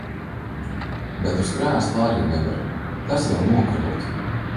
Bet uz krēsla arī nevar, tas jau nokrauts.